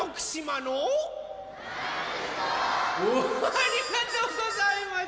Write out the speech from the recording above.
ありがとうございます！